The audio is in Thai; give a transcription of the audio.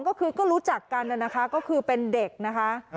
ก็คือก็รู้จักกันนะคะก็คือเป็นเด็กนะคะ